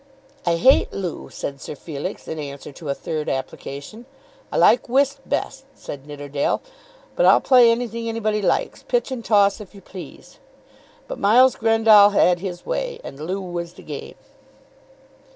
"I hate loo," said Sir Felix in answer to a third application. "I like whist best," said Nidderdale, "but I'll play anything anybody likes; pitch and toss if you please." But Miles Grendall had his way, and loo was the game.